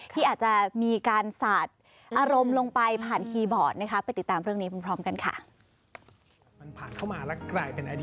ที่อาจจะมีการสาดอารมณ์ลงไปผ่านคีย์บอร์ด